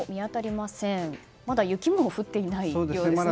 まだ雪も降っていないようですね。